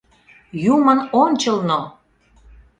Юмын ончылно!